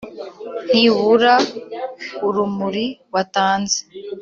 ntibura urumuri watanze.